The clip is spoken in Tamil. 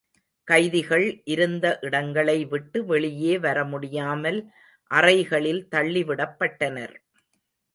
கைதிகள் இருந்த இடங்களை விட்டு வெளியே வரமுடியாமல் அறைகளில் தள்ளிவிடப்பட்டனர்.